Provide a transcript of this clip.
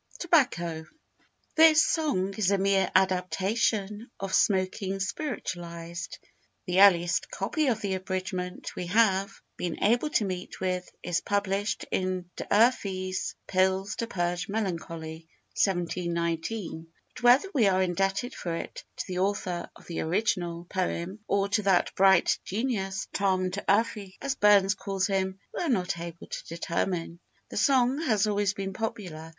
TOBACCO. [THIS song is a mere adaptation of Smoking Spiritualized; see ante, p. 39. The earliest copy of the abridgment we have been able to meet with, is published in D'Urfey's Pills to purge Melancholy, 1719; but whether we are indebted for it to the author of the original poem, or to 'that bright genius, Tom D'Urfey,' as Burns calls him, we are not able to determine. The song has always been popular.